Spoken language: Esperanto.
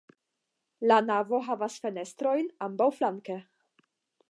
La navo havas fenestrojn ambaŭflanke.